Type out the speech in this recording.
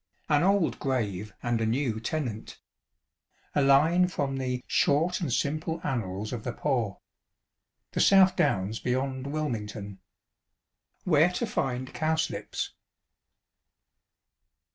ŌĆö An Old Grave and a New Tenant. ŌĆö A line from the "Short and Simple Annals of the Poor." ŌĆö The South Downs beyond Wilmington. ŌĆö Where to Find Cowslips.